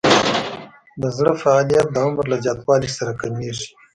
د زړه فعالیت د عمر له زیاتوالي سره کمیږي.